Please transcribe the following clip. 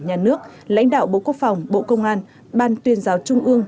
nhà nước lãnh đạo bộ quốc phòng bộ công an ban tuyên giáo trung ương